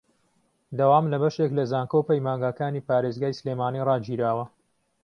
دەوام لە بەشێک لە زانکۆ و پەیمانگاکانی پارێزگای سلێمانی ڕاگیراوە